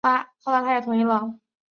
后来他也同意了